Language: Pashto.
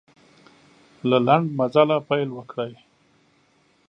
له لنډ مزله پیل وکړئ.